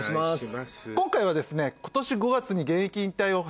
今回はですね。